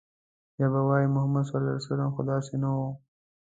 بيا به وايي، محمد ص خو داسې نه و